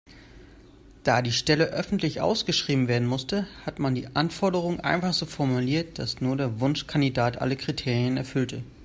Da die Stelle öffentlich ausgeschrieben werden musste, hat man die Anforderungen einfach so formuliert, dass nur der Wunschkandidat alle Kriterien erfüllte.